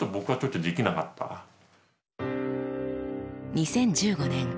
２０１５年。